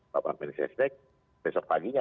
bapak menjaga kebencian besok paginya